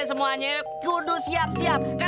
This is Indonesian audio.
susah gua mak ah